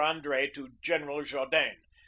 Andre to General Jaudenes.